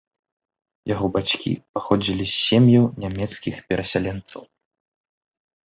Яго бацькі паходзілі з сем'яў нямецкіх перасяленцаў.